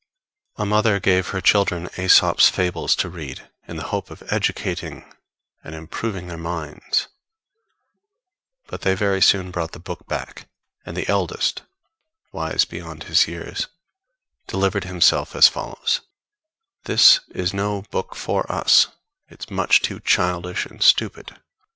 A mother gave her children Aesop's fables to read, in the hope of educating and improving their minds; but they very soon brought the book back, and the eldest, wise beyond his years, delivered himself as follows: _This is no book for us; it's much too childish and stupid.